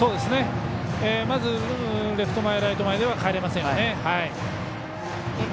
まず、レフト前ライト前まではかえれませんよね。